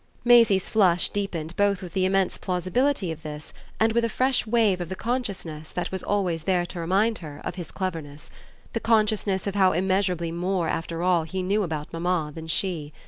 Maisie's flush deepened both with the immense plausibility of this and with a fresh wave of the consciousness that was always there to remind her of his cleverness the consciousness of how immeasurably more after all he knew about mamma than she.